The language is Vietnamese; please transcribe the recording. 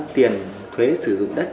tiền thuế sử dụng đất